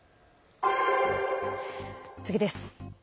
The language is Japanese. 次です。